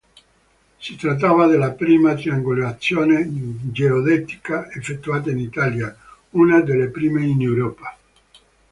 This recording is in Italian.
Si trattava della prima triangolazione geodetica effettuata in Italia, una delle prime in Europa.